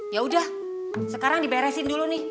yaudah sekarang diberesin dulu nih